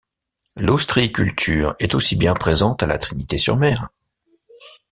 L'ostréiculture est aussi bien présente à la Trinité-sur-Mer.